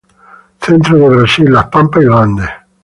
Centro de Brasil, las Pampas, y los Andes.